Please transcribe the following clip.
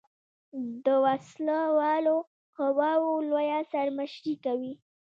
د وسله والو قواؤ لویه سر مشري کوي.